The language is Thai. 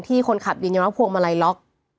ที่คนขับยังยังไม่พวงมาลัยล็อก